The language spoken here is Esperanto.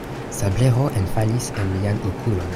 Sablero enfalis en mian okulon.